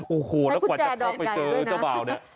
โอ้โหแล้วกว่าจะเข้าไปเจอเจ้าบ่าวเนี่ย